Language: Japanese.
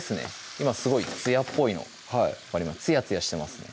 今すごいつやっぽいのつやつやしてますね